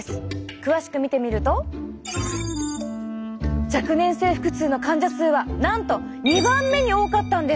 詳しく見てみると若年性腹痛の患者数はなんと２番目に多かったんです！